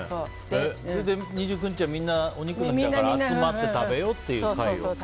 それで２９日はみんなお肉の日だから集まって食べようという会を。